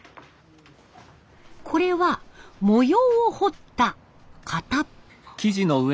これは模様を彫った型。